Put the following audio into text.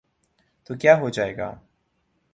تو کیا ہوجائے گا۔